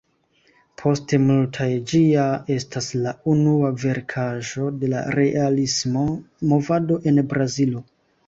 Por multaj ĝi ja estas la unua verkaĵo de la realismo movado en Brazilo.